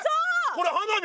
これ花火！？